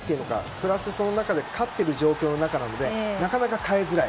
プラス、その中で勝っている状況の中なのでなかなか代えづらい。